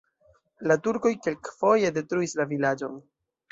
La turkoj kelkfoje detruis la vilaĝon.